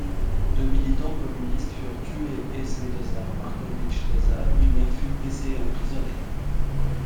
Deux militants communistes furent tués et Svetozar Marković Toza lui-même fut blessé et emprisonné.